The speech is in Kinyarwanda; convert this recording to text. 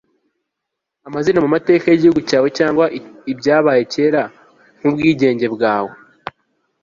amazina mumateka yigihugu cyawe cyangwa ibyabaye kera nkubwigenge bwawe